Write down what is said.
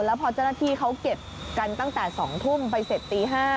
แล้วพอเจ้าหน้าที่เขาเก็บกันตั้งแต่๒ทุ่มไปเสร็จตี๕